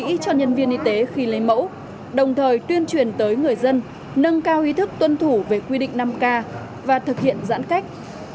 kỹ cho nhân viên y tế khi lấy mẫu đồng thời tuyên truyền tới người dân nâng cao ý thức tuân thủ về quy định năm k và thực hiện giãn cách